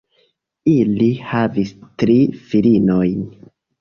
Ili havis tri filinojn.